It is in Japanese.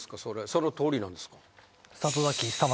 そのとおりなんですか？